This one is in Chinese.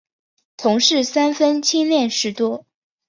同事三分亲恋事多。